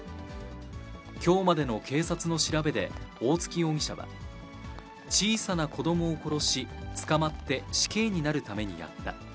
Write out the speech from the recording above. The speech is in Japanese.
きょうまでの警察の調べで大槻容疑者は、小さな子どもを殺し、捕まって死刑になるためにやった。